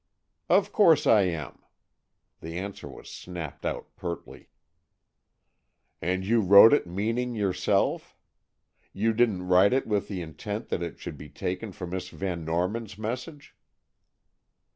"Of course I am!" The answer was snapped out pertly. "And you wrote it meaning yourself? You didn't write it with the intent that it should be taken for Miss Van Norman's message?"